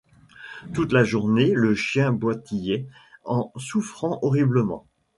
Toute la journée, le chien boitillait en souffrant horriblement.